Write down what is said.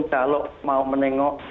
kalau mau menengok